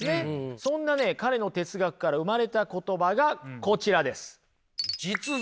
そんなね彼の哲学から生まれた言葉がこちらです。